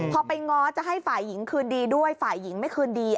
พอไปง้อจะให้ฝ่ายหญิงคืนดีด้วยฝ่ายหญิงไม่คืนดี